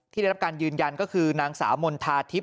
ได้รับการยืนยันก็คือนางสาวมณฑาทิพย